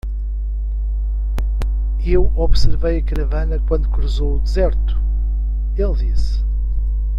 "Eu observei a caravana quando cruzou o deserto?" ele disse.